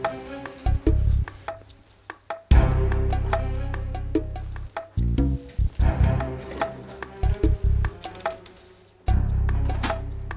pernah nggak tau